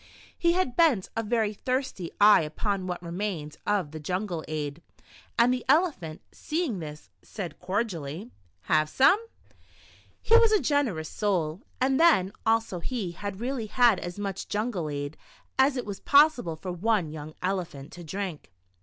He had bent a very thirsty eye upon what remained of the jungle ade, and the Elephant, seeing this, said cordially :" Have some ?" He was a generous soul, and then also he had really had as much jungle ade as it was possible for one young elephant to drink.